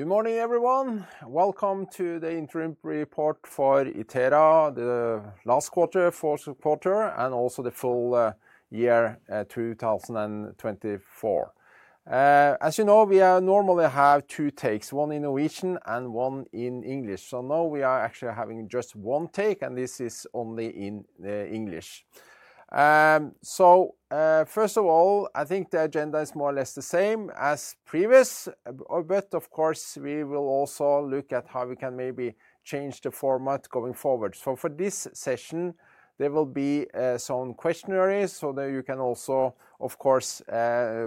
Good morning, everyone. Welcome to the interim report for Itera, the last quarter, fourth quarter, and also the full year 2024. As you know, we normally have two takes, one in Norwegian and one in English. Now we are actually having just one take, and this is only in English. First of all, I think the agenda is more or less the same as previous, but of course, we will also look at how we can maybe change the format going forward. For this session, there will be some questionnaires so that you can also, of course,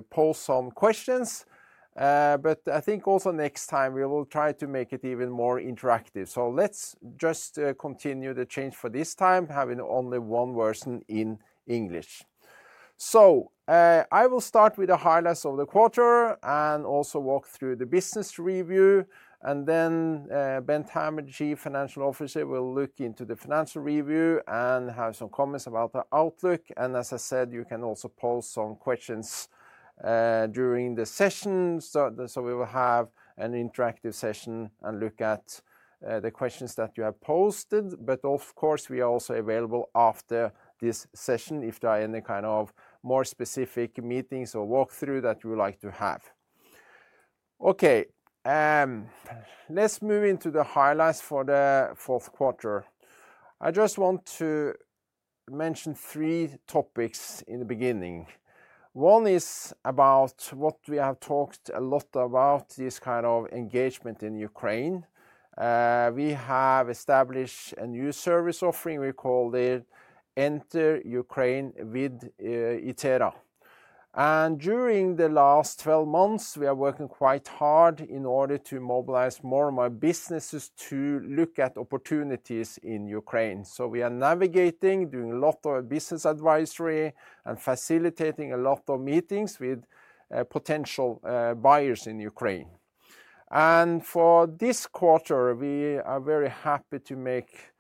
post some questions. I think also next time we will try to make it even more interactive. Let's just continue the change for this time, having only one version in English. I will start with the highlights of the quarter and also walk through the business review. Then Bent Hammer, Chief Financial Officer, will look into the financial review and have some comments about the outlook. As I said, you can also post some questions during the session. We will have an interactive session and look at the questions that you have posted. Of course, we are also available after this session if there are any kind of more specific meetings or walkthrough that you would like to have. Okay, let's move into the highlights for the fourth quarter. I just want to mention three topics in the beginning. One is about what we have talked a lot about, this kind of engagement in Ukraine. We have established a new service offering. We call it Enter Ukraine with Itera. During the last 12 months, we are working quite hard in order to mobilize more and more businesses to look at opportunities in Ukraine. We are navigating, doing a lot of business advisory and facilitating a lot of meetings with potential buyers in Ukraine. For this quarter, we are very happy to make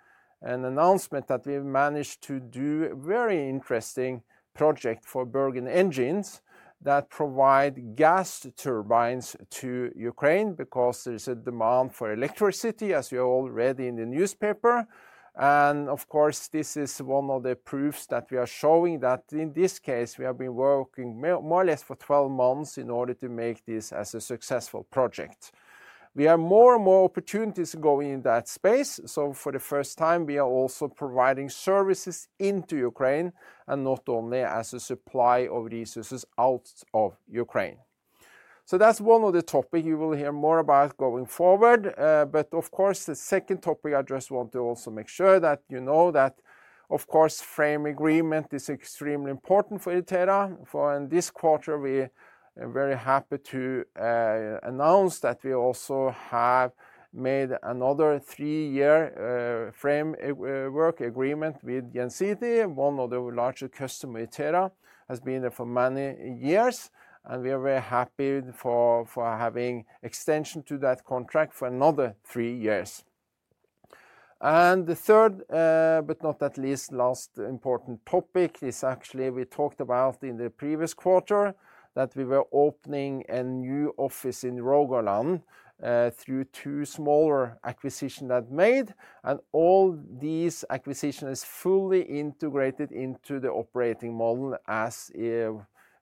an announcement that we've managed to do a very interesting project for Bergen Engines that provides gas turbines to Ukraine because there is a demand for electricity, as you are already in the newspaper. Of course, this is one of the proofs that we are showing that in this case, we have been working more or less for 12 months in order to make this as a successful project. We have more and more opportunities going in that space. For the first time, we are also providing services into Ukraine and not only as a supply of resources out of Ukraine. That is one of the topics you will hear more about going forward. Of course, the second topic, I just want to also make sure that you know that, of course, frame agreement is extremely important for Itera. This quarter, we are very happy to announce that we also have made another three year framework agreement with Gensity, one of the larger customers of Itera, who has been there for many years. We are very happy for having extension to that contract for another three years. The third, but not the least, last important topic is actually we talked about in the previous quarter that we were opening a new office in Rogaland through two smaller acquisitions that made. All these acquisitions are fully integrated into the operating model as in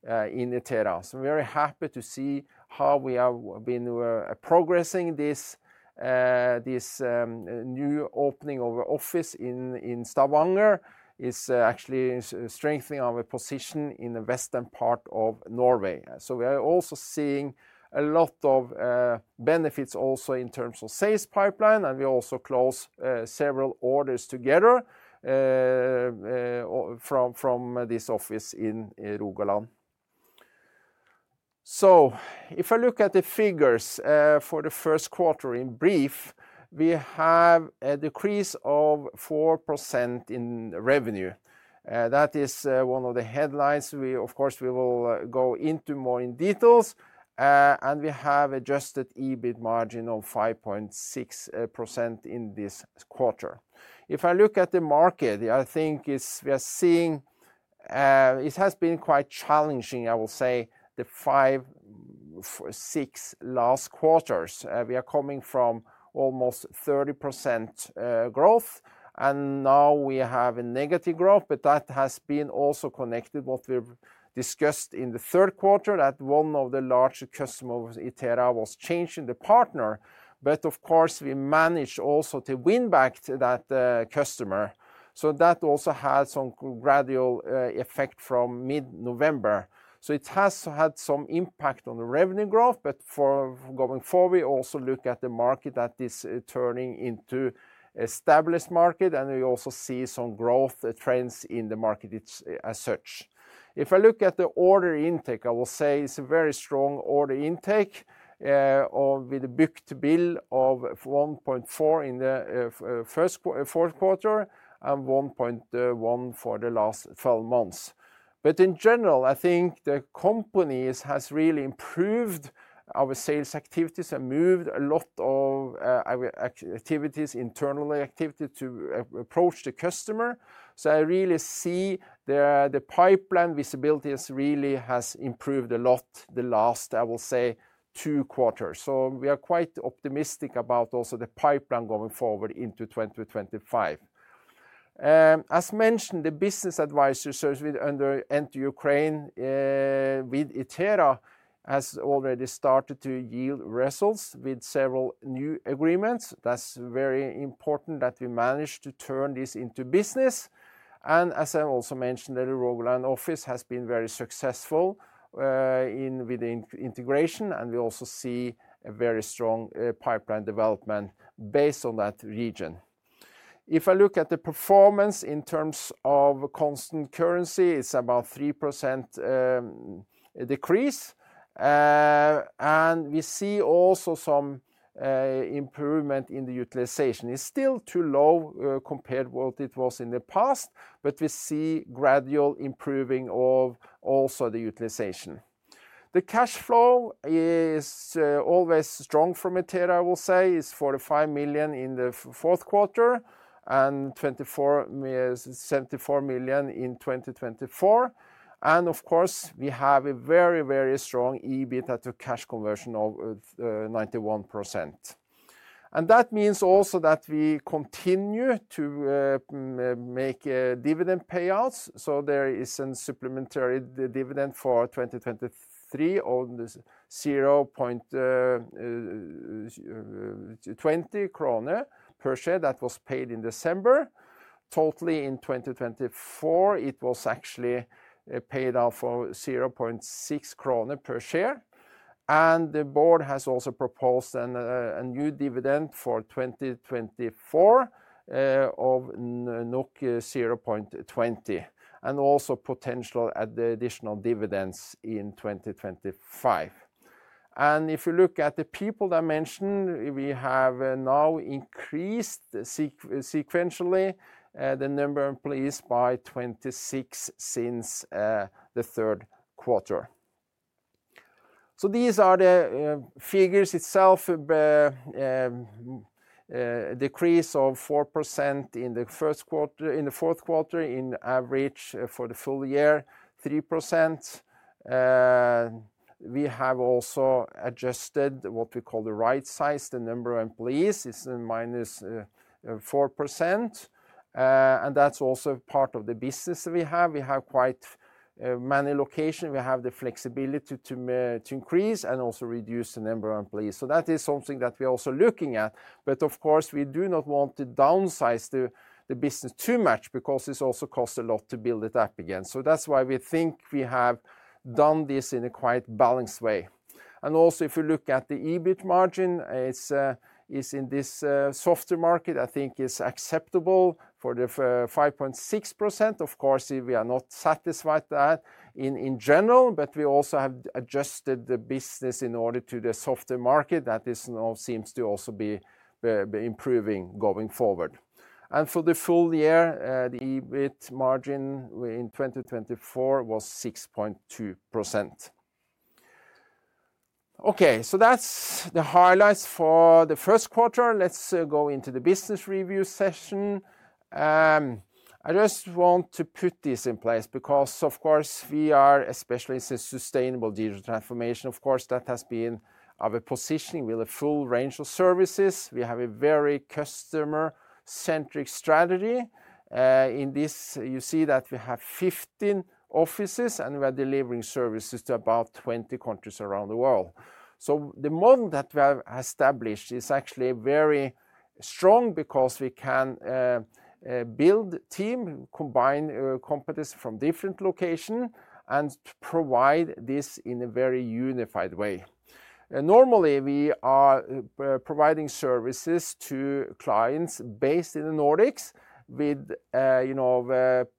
Itera. We are very happy to see how we have been progressing this new opening of an office in Stavanger. It is actually strengthening our position in the western part of Norway. We are also seeing a lot of benefits also in terms of sales pipeline. We also closed several orders together from this office in Rogaland. If I look at the figures for the first quarter in brief, we have a decrease of 4% in revenue. That is one of the headlines. We, of course, will go into more in detail. We have adjusted EBIT margin of 5.6% in this quarter. If I look at the market, I think we are seeing it has been quite challenging, I will say, the five, six last quarters. We are coming from almost 30% growth. We have a negative growth. That has been also connected with what we discussed in the third quarter, that one of the larger customers of Itera was changing the partner. Of course, we managed also to win back that customer. That also had some gradual effect from mid-November. It has had some impact on the revenue growth. For going forward, we also look at the market that is turning into an established market. We also see some growth trends in the market as such. If I look at the order intake, I will say it's a very strong order intake with a book to bill of 1.4 in the first quarter and 1.1 for the last 12 months. In general, I think the company has really improved our sales activities and moved a lot of activities, internal activities to approach the customer. I really see the pipeline visibility has really improved a lot the last, I will say, two quarters. We are quite optimistic about also the pipeline going forward into 2025. As mentioned, the business advisory service under Enter Ukraine with Itera has already started to yield results with several new agreements. That's very important that we managed to turn this into business. As I also mentioned earlier, the Rogaland office has been very successful with the integration. We also see a very strong pipeline development based on that region. If I look at the performance in terms of constant currency, it's about a 3% decrease. We see also some improvement in the utilisation. It's still too low compared to what it was in the past, but we see gradual improving of also the utilisation. The cash flow is always strong from Itera, I will say is 45 million in the fourth quarter and 74 million in 2024. Of course, we have a very, very strong EBITDA to cash conversion of 91%. That means also that we continue to make dividend payouts. There is a supplementary dividend for 2023 of 0.20 kroner per share that was paid in December. Totally in 2024, it was actually paid out for 0.60 kroner per share. The board has also proposed a new dividend for 2024 of 0.20 and also potential additional dividends in 2025. If you look at the people dimension, we have now increased sequentially the number of employees by 26 since the third quarter. These are the figures itself, decrease of 4% in the fourth quarter in average for the full year, 3%. We have also adjusted what we call the right size, the number of employees. It is -4%. That is also part of the business we have. We have quite many locations. We have the flexibility to increase and also reduce the number of employees. That is something that we are also looking at. Of course, we do not want to downsize the business too much because it also costs a lot to build it up again. That is why we think we have done this in a quite balanced way. Also, if you look at the EBIT margin, in this software market, I think it is acceptable for the 5.6%. Of course, we are not satisfied with that in general, but we also have adjusted the business in order to the software market that seems to also be improving going forward. For the full year, the EBIT margin in 2024 was 6.2%. Okay, that is the highlights for the first quarter. Let's go into the business review session. I just want to put this in place because, of course, we are especially sustainable digital transformation. Of course, that has been our positioning with a full range of services. We have a very customer-centric strategy. In this, you see that we have 15 offices and we are delivering services to about 20 countries around the world. The model that we have established is actually very strong because we can build teams, combine companies from different locations, and provide this in a very unified way. Normally, we are providing services to clients based in the Nordics with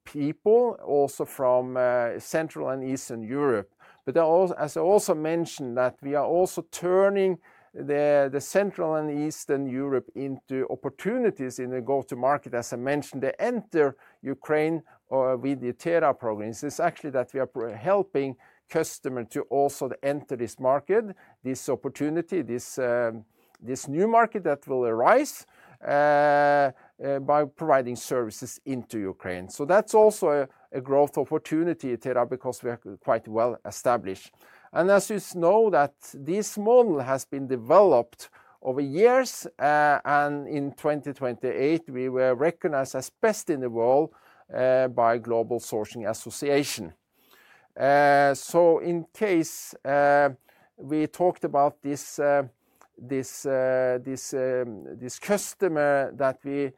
people also from Central and Eastern Europe. As I also mentioned, we are also turning the Central and Eastern Europe into opportunities in the go-to-market. As I mentioned, the Enter Ukraine with Itera program is actually that we are helping customers to also enter this market, this opportunity, this new market that will arise by providing services into Ukraine. That is also a growth opportunity in Itera because we are quite well established. As you know, this model has been developed over years. In 2028, we were recognized as best in the world by Global Sourcing Association. In case we talked about this customer that we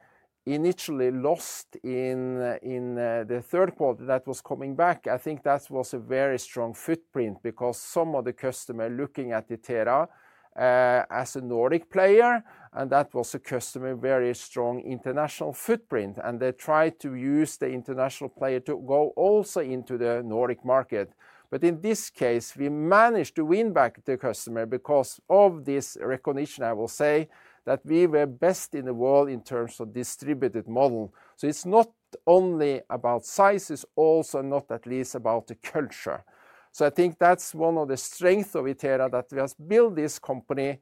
initially lost in the third quarter that was coming back, I think that was a very strong footprint because some of the customers are looking at Itera as a Nordic player. That was a customer with a very strong international footprint. They tried to use the international player to go also into the Nordic market. In this case, we managed to win back the customer because of this recognition, I will say, that we were best in the world in terms of distributed model. It is not only about size, it is also not at least about the culture. I think that is one of the strengths of Itera that we have built this company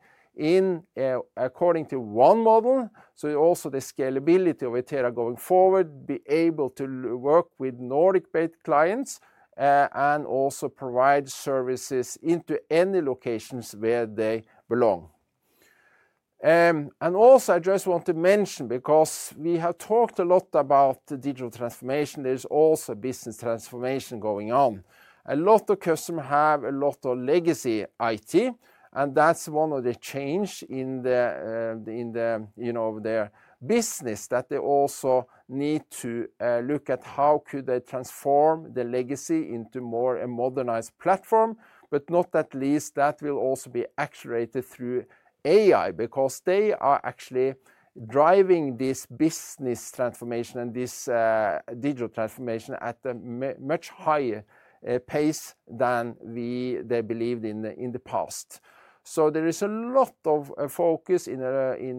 according to one model. Also, the scalability of Itera going forward, be able to work with Nordic-based clients and also provide services into any locations where they belong. I just want to mention because we have talked a lot about digital transformation, there is also business transformation going on. A lot of customers have a lot of legacy IT. That is one of the changes in their business that they also need to look at, how could they transform the legacy into more a modernised platform. Not at least that will also be accelerated through AI because they are actually driving this business transformation and this digital transformation at a much higher pace than they believed in the past. There is a lot of focus in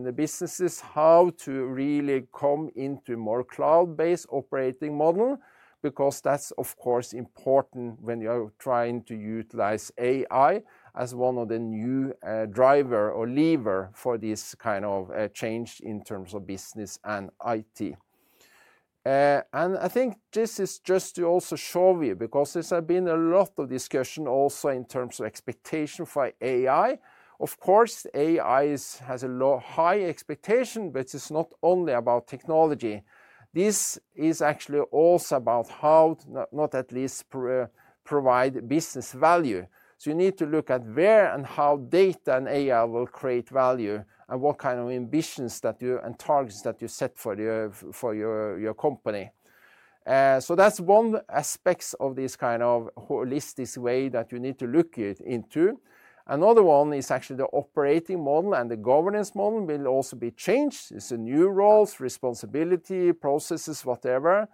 the businesses on how to really come into a more cloud-based operating model because that is of course important when you are trying to utilise AI as one of the new drivers or levers for this kind of change in terms of business and IT. I think this is just to also show you because there has been a lot of discussion also in terms of expectation for AI. Of course, AI has a high expectation, but it is not only about technology. This is actually also about how not at least provide business value. You need to look at where and how data and AI will create value and what kind of ambitions and targets that you set for your company. That is one aspect of this kind of holistic way that you need to look into. Another one is actually the operating model and the governance model will also be changed. It is new roles, responsibility, processes, whatever.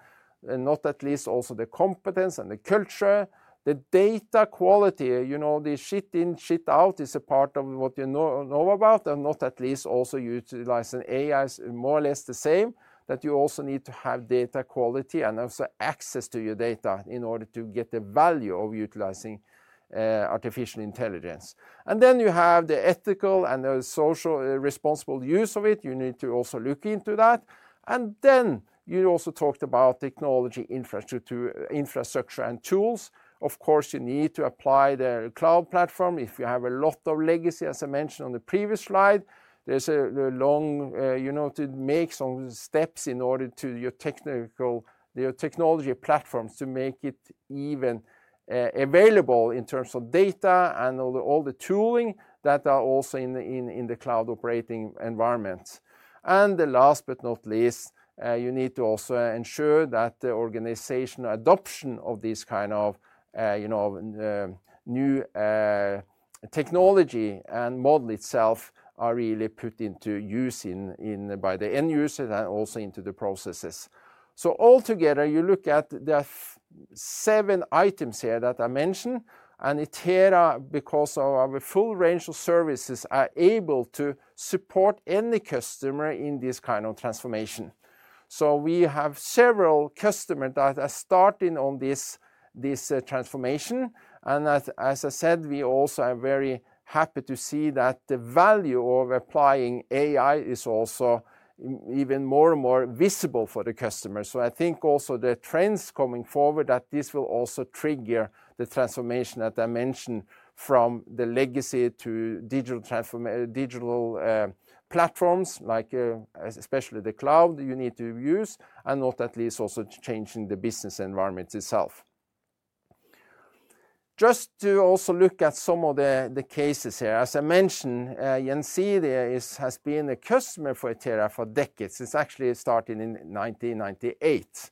Not at least also the competence and the culture. The data quality, you know, the shit in, shit out is a part of what you know about. Not at least also utilise an AI is more or less the same that you also need to have data quality and also access to your data in order to get the value of utilising artificial intelligence. You have the ethical and the social responsible use of it. You need to also look into that. You also talked about technology, infrastructure and tools. Of course, you need to apply the cloud platform if you have a lot of legacy, as I mentioned on the previous slide. There is a long, you know, to make some steps in order to your technology platforms to make it even available in terms of data and all the tooling that are also in the cloud operating environments. The last but not least, you need to also ensure that the organizational adoption of this kind of new technology and model itself are really put into use by the end user and also into the processes. Altogether, you look at the seven items here that I mentioned. Itera, because of our full range of services, are able to support any customer in this kind of transformation. We have several customers that are starting on this transformation. As I said, we also are very happy to see that the value of applying AI is also even more and more visible for the customers. I think also the trends coming forward that this will also trigger the transformation that I mentioned from the legacy to digital platforms, like especially the cloud you need to use, and not at least also changing the business environment itself. Just to also look at some of the cases here, as I mentioned, If has been a customer for Itera for decades. It actually started in 1998.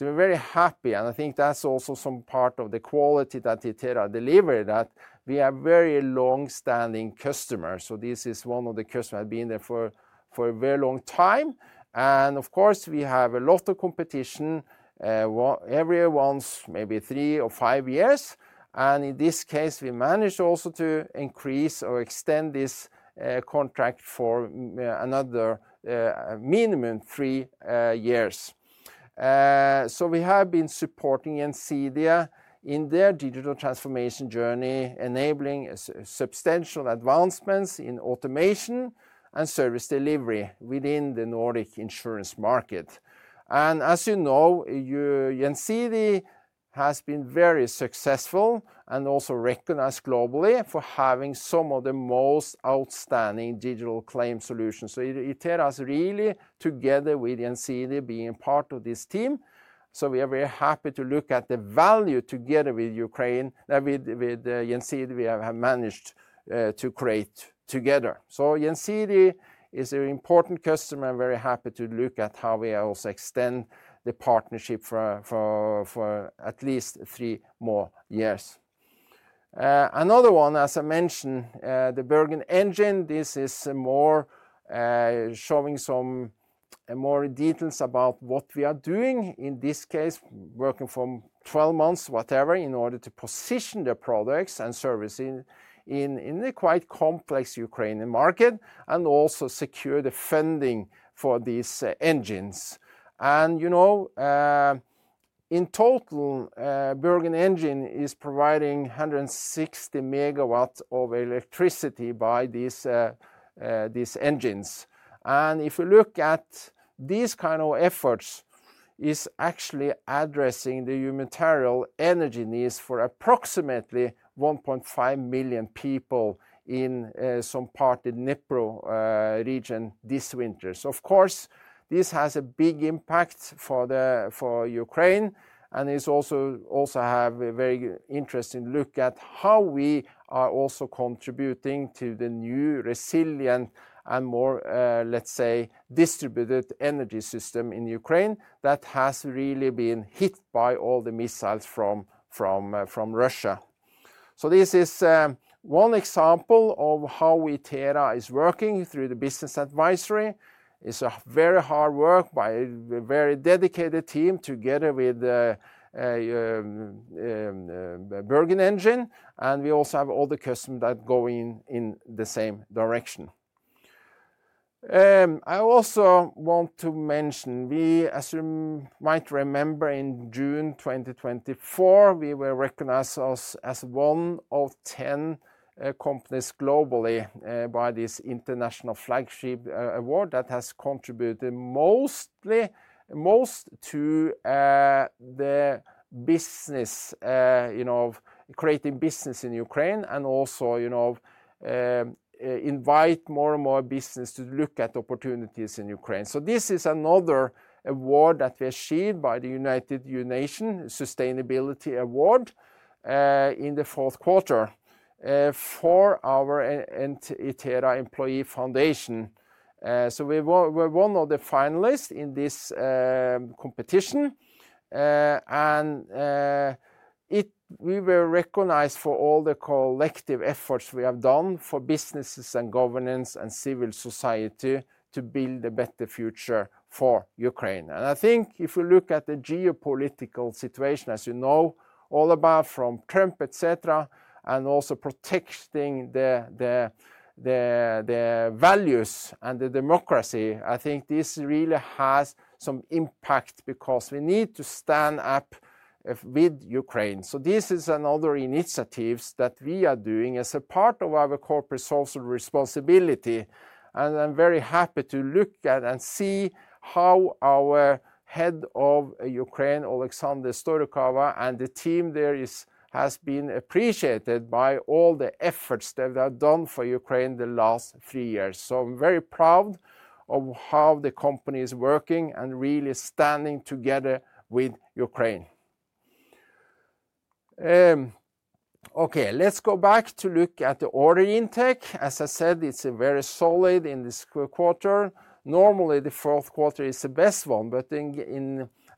We are very happy. I think that's also some part of the quality that Itera delivered that we are very long-standing customers. This is one of the customers who have been there for a very long time. Of course, we have a lot of competition every once, maybe three or five years. In this case, we managed also to increase or extend this contract for another minimum three years. We have been supporting If in their digital transformation journey, enabling substantial advancements in automation and service delivery within the Nordic insurance market. As you know, If has been very successful and also recognized globally for having some of the most outstanding digital claim solutions. Itera has really together with If been part of this team. We are very happy to look at the value together with Ukraine that with If we have managed to create together. If is an important customer. I am very happy to look at how we also extend the partnership for at least three more years. Another one, as I mentioned, the Bergen Engines. This is more showing some more details about what we are doing in this case, working for 12 months, whatever, in order to position the products and services in a quite complex Ukrainian market and also secure the funding for these engines. You know, in total, Bergen Engines is providing 160 MW of electricity by these engines. If you look at these kind of efforts, it is actually addressing the human material energy needs for approximately 1.5 million people in some part of the Dnipro region this winter. Of course, this has a big impact for Ukraine. It also has a very interesting look at how we are also contributing to the new resilient and more, let's say, distributed energy system in Ukraine that has really been hit by all the missiles from Russia. This is one example of how Itera is working through the business advisory. It's a very hard work by a very dedicated team together with Bergen Engines. We also have other customers that go in the same direction. I also want to mention, as you might remember, in June 2024, we were recognized as one of 10 companies globally by this international flagship award that has contributed mostly to the business, you know, creating business in Ukraine and also, you know, invite more and more business to look at opportunities in Ukraine. This is another award that we achieved by the United Nations Sustainability Award in the fourth quarter for our Itera Employee Foundation. We were one of the finalists in this competition. We were recognized for all the collective efforts we have done for businesses and governance and civil society to build a better future for Ukraine. I think if you look at the geopolitical situation, as you know, all about from Trump, etc., and also protecting the values and the democracy, I think this really has some impact because we need to stand up with Ukraine. This is another initiative that we are doing as a part of our corporate social responsibility. I'm very happy to look at and see how our Head of Ukraine, Oleksandr Storokova, and the team there has been appreciated by all the efforts that they have done for Ukraine the last three years. I'm very proud of how the company is working and really standing together with Ukraine. Okay, let's go back to look at the order intake. As I said, it's very solid in this quarter. Normally, the fourth quarter is the best one.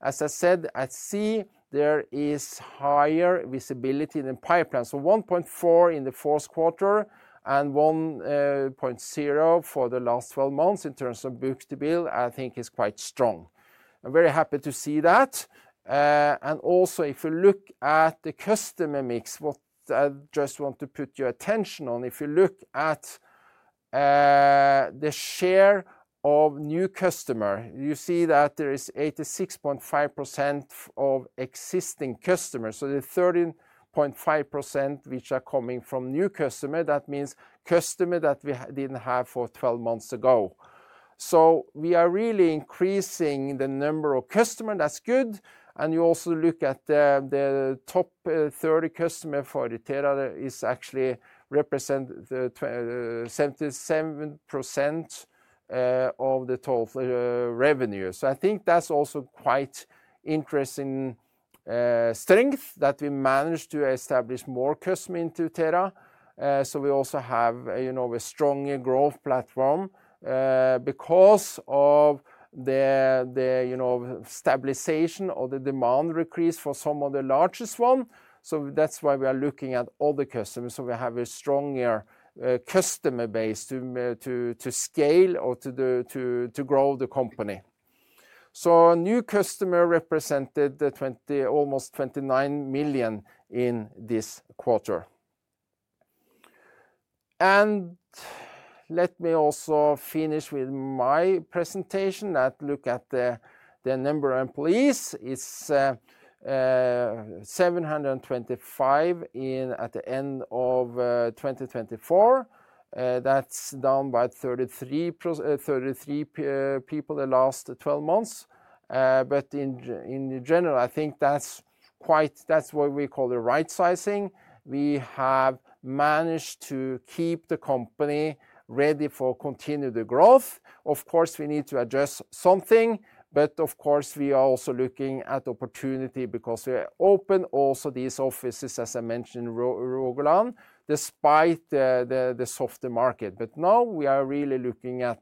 As I said, I see there is higher visibility in the pipeline. 1.4 in the fourth quarter and 1.0 for the last 12 months in terms of book to bill, I think is quite strong. I'm very happy to see that. Also, if you look at the customer mix, what I just want to put your attention on, if you look at the share of new customers, you see that there is 86.5% of existing customers. The 13.5% which are coming from new customers, that means customers that we didn't have 12 months ago. We are really increasing the number of customers. That's good. You also look at the top 30 customers for Itera, it actually represents 77% of the total revenue. I think that's also quite an interesting strength that we managed to establish more customers into Itera. We also have, you know, a stronger growth platform because of the, you know, stabilisation of the demand increase for some of the largest ones. That's why we are looking at other customers. We have a stronger customer base to scale or to grow the company. New customers represented almost 29 million in this quarter. Let me also finish with my presentation and look at the number of employees. It's 725 at the end of 2024. That's down by 33 people the last 12 months. In general, I think that's quite, that's what we call the right sizing. We have managed to keep the company ready for continued growth. Of course, we need to adjust something. Of course, we are also looking at opportunity because we are open also these offices, as I mentioned, in Rogaland, despite the softer market. Now we are really looking at,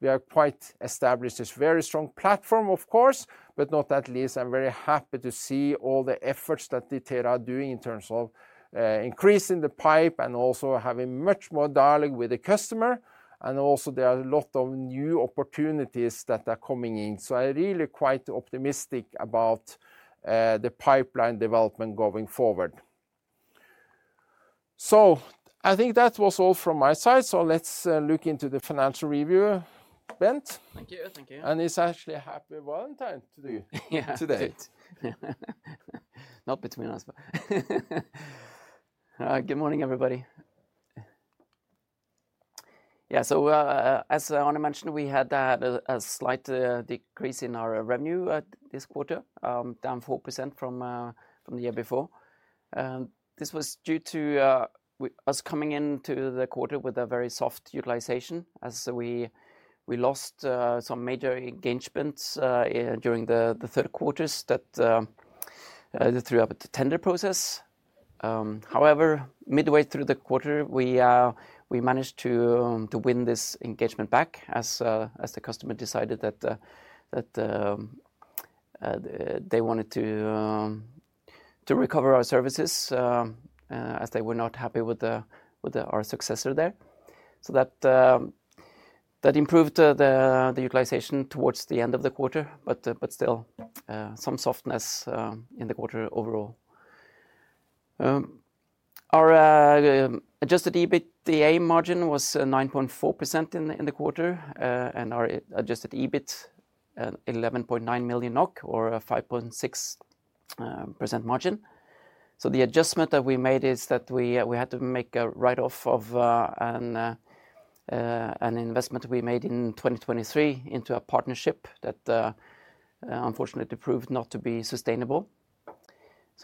we are quite established, it's a very strong platform, of course. Not at least I'm very happy to see all the efforts that Itera are doing in terms of increasing the pipe and also having much more dialogue with the customer. Also there are a lot of new opportunities that are coming in. I'm really quite optimistic about the pipeline development going forward. I think that was all from my side. Let's look into the financial review, Bent. Thank you. Thank you. It's actually a happy Valentine's to do today. Not between us, but good morning, everybody. Yeah, as Arne mentioned, we had a slight decrease in our revenue this quarter, down 4% from the year before. This was due to us coming into the quarter with very soft utilisation, as we lost some major engagements during the third quarter that threw up the tender process. However, midway through the quarter, we managed to win this engagement back as the customer decided that they wanted to recover our services as they were not happy with our successor there. That improved the utilisation towards the end of the quarter, but still some softness in the quarter overall. Our adjusted EBITDA margin was 9.4% in the quarter and our adjusted EBIT 11.9 million NOK or a 5.6% margin. The adjustment that we made is that we had to make a write-off of an investment we made in 2023 into a partnership that unfortunately proved not to be sustainable.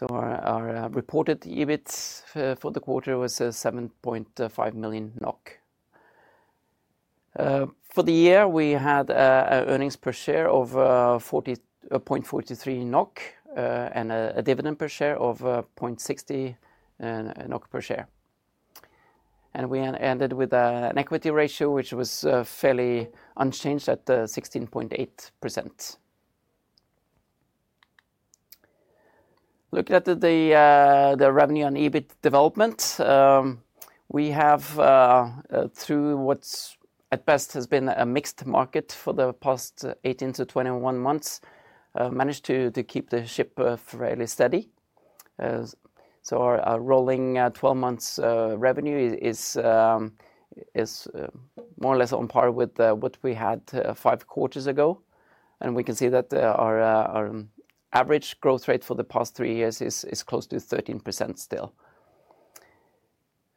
Our reported EBIT for the quarter was 7.5 million NOK. For the year, we had an earnings per share of 40.43 NOK and a dividend per share of 0.60 NOK per share. We ended with an equity ratio, which was fairly unchanged at 16.8%. Looking at the revenue and EBIT development, we have, through what at best has been a mixed market for the past 18-21 months, managed to keep the ship fairly steady. Our rolling 12 months revenue is more or less on par with what we had five quarters ago. We can see that our average growth rate for the past three years is close to 13% still.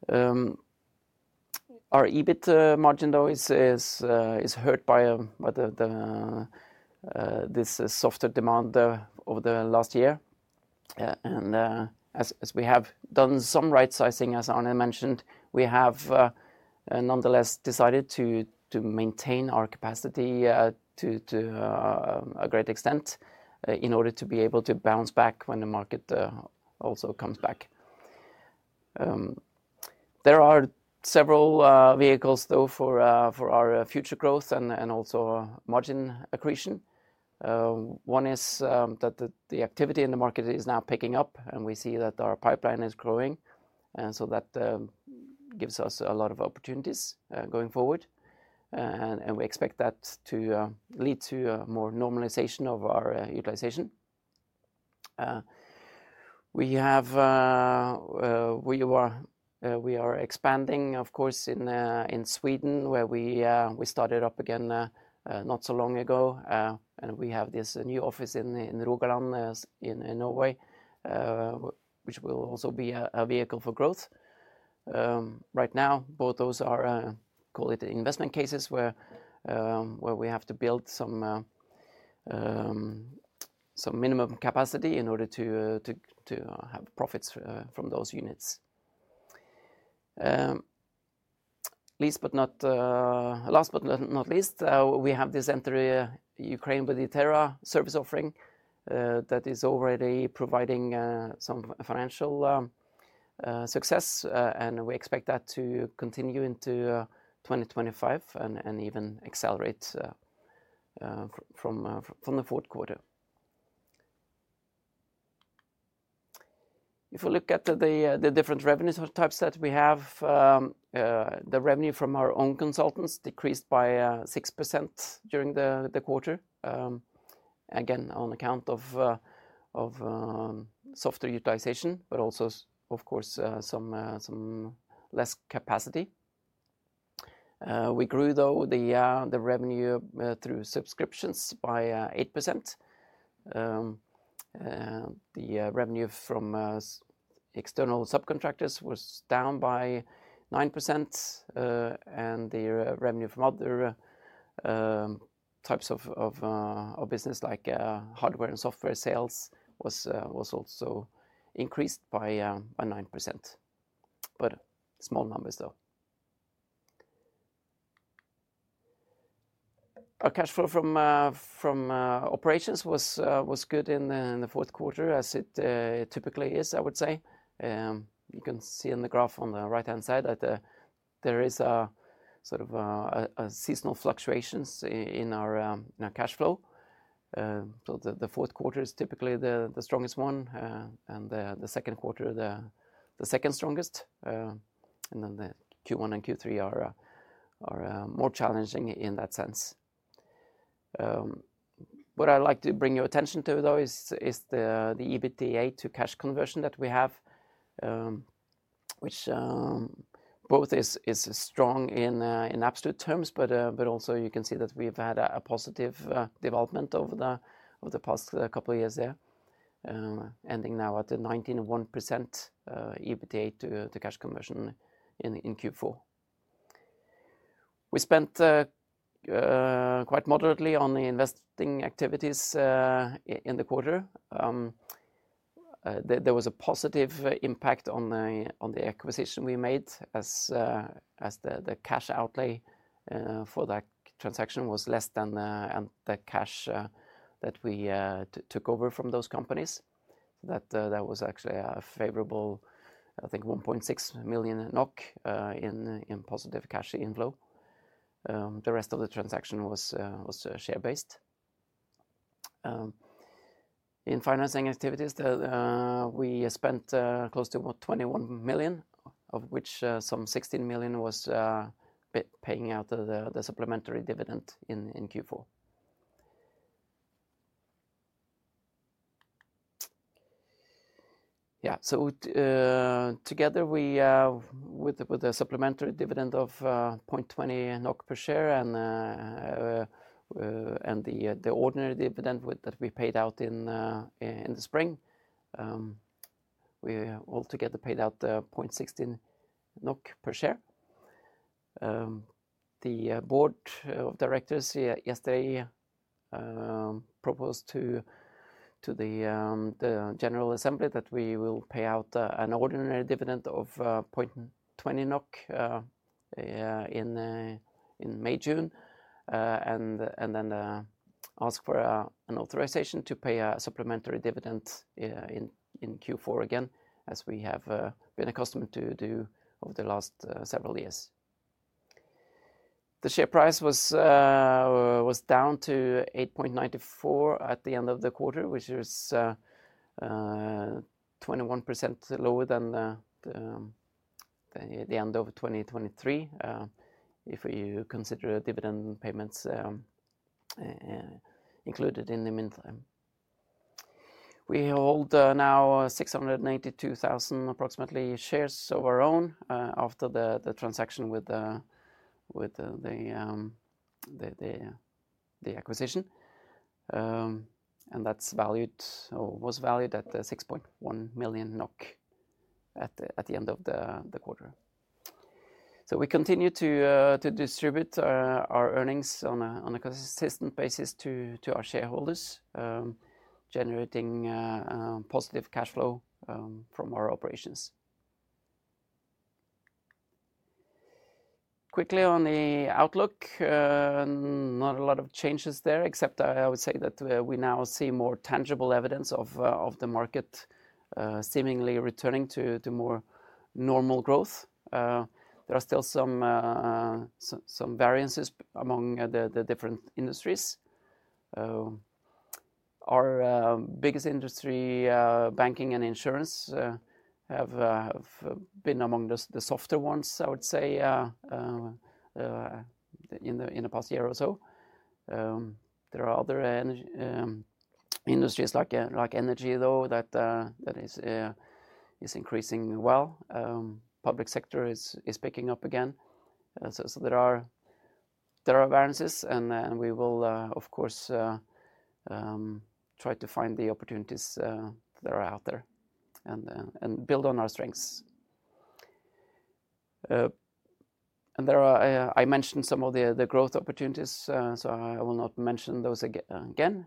Our EBIT margin, though, is hurt by this softer demand over the last year. As we have done some right sizing, as Arne mentioned, we have nonetheless decided to maintain our capacity to a great extent in order to be able to bounce back when the market also comes back. There are several vehicles, though, for our future growth and also margin accretion. One is that the activity in the market is now picking up and we see that our pipeline is growing. That gives us a lot of opportunities going forward. We expect that to lead to a more normalization of our utilisation. We are expanding, of course, in Sweden, where we started up again not so long ago. We have this new office in Rogaland in Norway, which will also be a vehicle for growth. Right now, both those are called investment cases where we have to build some minimum capacity in order to have profits from those units. Last but not least, we have this Enter Ukraine with Itera service offering that is already providing some financial success. We expect that to continue into 2025 and even accelerate from the fourth quarter. If we look at the different revenue types that we have, the revenue from our own consultants decreased by 6% during the quarter, again, on account of softer utilisation, but also, of course, some less capacity. We grew, though, the revenue through subscriptions by 8%. The revenue from external subcontractors was down by 9%. The revenue from other types of business, like hardware and software sales, was also increased by 9%. Small numbers, though. Our cash flow from operations was good in the fourth quarter, as it typically is, I would say. You can see in the graph on the right-hand side that there is a sort of seasonal fluctuations in our cash flow. The fourth quarter is typically the strongest one. The second quarter, the second strongest. Q1 and Q3 are more challenging in that sense. What I'd like to bring your attention to, though, is the EBITDA to cash conversion that we have, which both is strong in absolute terms, but also you can see that we've had a positive development over the past couple of years there, ending now at the 19.1% EBITDA to cash conversion in Q4. We spent quite moderately on the investing activities in the quarter. There was a positive impact on the acquisition we made, as the cash outlay for that transaction was less than the cash that we took over from those companies. That was actually a favorable, I think, 1.6 million NOK in positive cash inflow. The rest of the transaction was share-based. In financing activities, we spent close to 21 million, of which some 16 million was paying out of the supplementary dividend in Q4. Yeah, together with the supplementary dividend of 0.20 NOK per share and the ordinary dividend that we paid out in the spring, we altogether paid out 0.16 NOK per share. The board of directors yesterday proposed to the general assembly that we will pay out an ordinary dividend of 0.20 NOK in May-June, and then ask for an authorization to pay a supplementary dividend in Q4 again, as we have been accustomed to do over the last several years. The share price was down to 8.94 at the end of the quarter, which is 21% lower than the end of 2023, if you consider dividend payments included in the meantime. We hold now approximately 682,000 shares of our own after the transaction with the acquisition. That is valued or was valued at 6.1 million NOK at the end of the quarter. We continue to distribute our earnings on a consistent basis to our shareholders, generating positive cash flow from our operations. Quickly on the outlook, not a lot of changes there, except I would say that we now see more tangible evidence of the market seemingly returning to more normal growth. There are still some variances among the different industries. Our biggest industry, banking and insurance, have been among the softer ones, I would say, in the past year or so. There are other industries like energy, though, that is increasing well. Public sector is picking up again. There are variances, and we will, of course, try to find the opportunities that are out there and build on our strengths. I mentioned some of the growth opportunities, so I will not mention those again.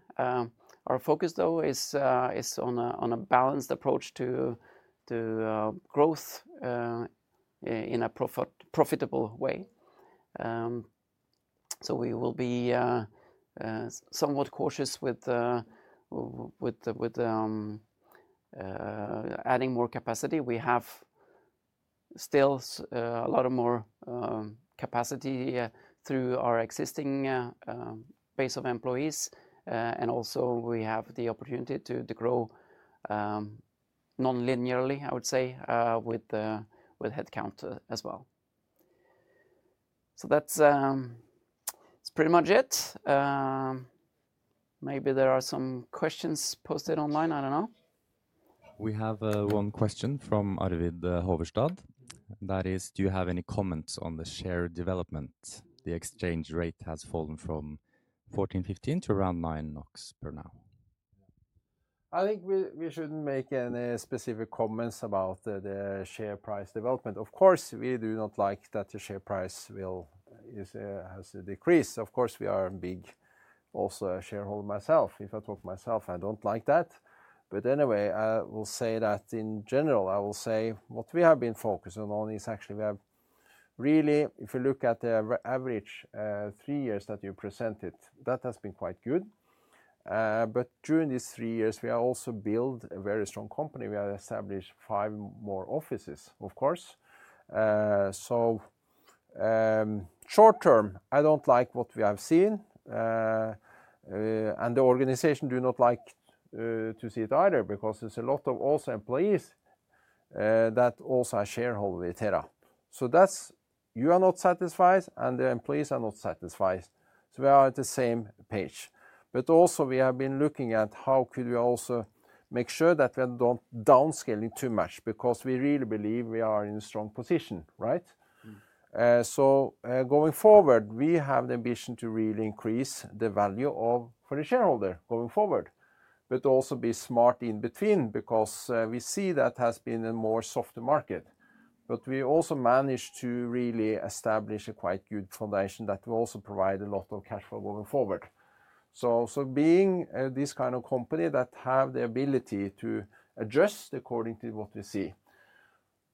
Our focus, though, is on a balanced approach to growth in a profitable way. We will be somewhat cautious with adding more capacity. We have still a lot of more capacity through our existing base of employees. Also, we have the opportunity to grow non-linearly, I would say, with headcount as well. That is pretty much it. Maybe there are some questions posted online. I do not know. We have one question from [Arvid Håverstad]. That is, do you have any comments on the share development? The exchange rate has fallen from 14.15 to around 9 NOK per now. I think we should not make any specific comments about the share price development. Of course, we do not like that the share price has decreased. Of course, we are a big also shareholder myself. If I talk myself, I do not like that. Anyway, I will say that in general, I will say what we have been focusing on is actually we have really, if you look at the average three years that you presented, that has been quite good. During these three years, we have also built a very strong company. We have established five more offices, of course. Short term, I do not like what we have seen. The organization does not like to see it either, because there are also a lot of employees that also are shareholders with Itera. You are not satisfied, and the employees are not satisfied. We are at the same page. We have been looking at how could we also make sure that we are not downscaling too much, because we really believe we are in a strong position, right? Going forward, we have the ambition to really increase the value for the shareholder going forward, but also be smart in between, because we see that has been a more softer market. We also managed to really establish a quite good foundation that will also provide a lot of cash flow going forward. Being this kind of company that has the ability to adjust according to what we see.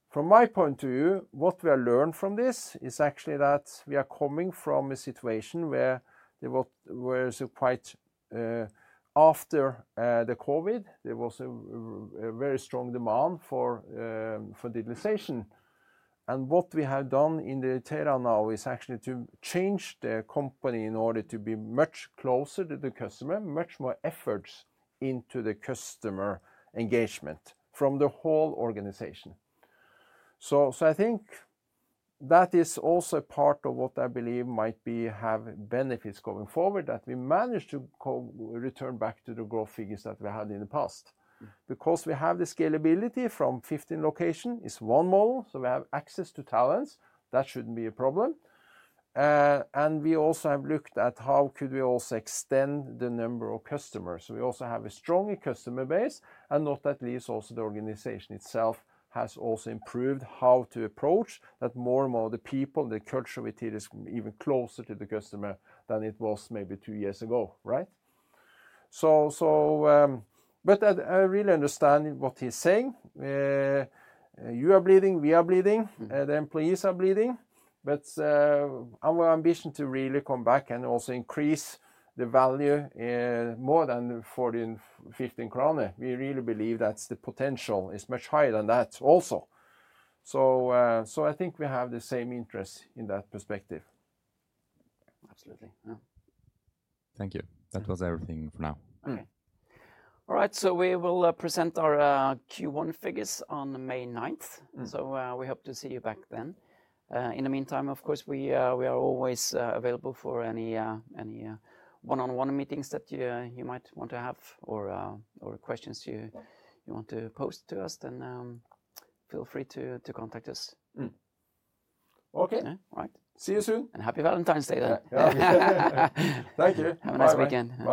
From my point of view, what we have learned from this is actually that we are coming from a situation where there was quite after the COVID, there was a very strong demand for digitalisation. What we have done in Itera now is actually to change the company in order to be much closer to the customer, much more effort into the customer engagement from the whole organization. I think that is also part of what I believe might have benefits going forward, that we managed to return back to the growth figures that we had in the past. Because we have the scalability from 15 locations, it's one model, so we have access to talents. That shouldn't be a problem. We also have looked at how could we also extend the number of customers. We also have a stronger customer base, and not that least also the organization itself has also improved how to approach that more and more the people, the culture with Itera is even closer to the customer than it was maybe two years ago, right? I really understand what he's saying. You are bleeding, we are bleeding, the employees are bleeding. Our ambition to really come back and also increase the value more than 14-15 krone. We really believe that the potential is much higher than that also. I think we have the same interest in that perspective. Absolutely. Thank you. That was everything for now. All right, we will present our Q1 figures on May 9th. We hope to see you back then. In the meantime, of course, we are always available for any one-on-one meetings that you might want to have or questions you want to post to us, feel free to contact us. All right. See you soon. Happy Valentine's Day then. Thank you. Have a nice weekend.